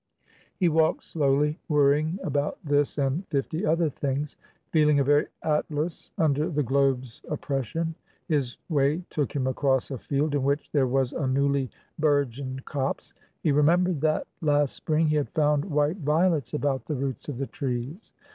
He walked slowly, worrying about this and fifty other things, feeling a very Atlas under the globe's oppression. His way took him across a field in which there was a newly bourgeoned copse; he remembered that, last spring, he had found white violets about the roots of the trees.